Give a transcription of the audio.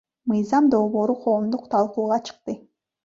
Мыйзам долбоору коомдук талкууга чыкты.